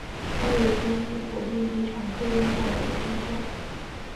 位于东京国际机场客运大楼的地下。